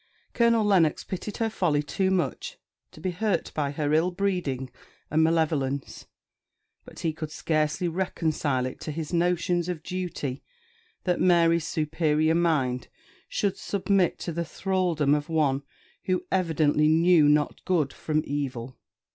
Colonel Lennox pitied her folly too much to be hurt by her ill breeding and malevolence, but he could scarcely reconcile it to his notions of duty that Mary's superior mind should submit to the thraldom of one who evidently knew not good from evil.